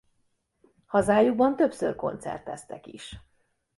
Hazájukban többször koncerteztek is.